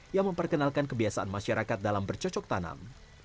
yang memperkenalkan kebiasaan masyarakat dalam bercocok tanam